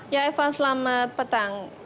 ya eva selamat petang